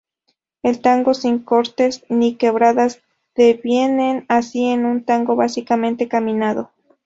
El tango sin cortes ni quebradas deviene así en un tango básicamente caminado.